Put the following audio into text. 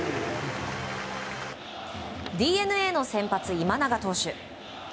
ＤｅＮＡの先発、今永投手。